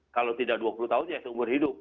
kalau tidak dua puluh tahun ya seumur hidup